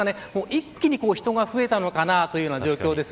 一気に人が増えたのかなという状況です。